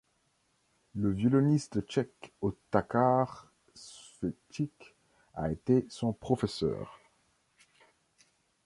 Le violoniste tchèque Otakar Ševčík a été son professeur.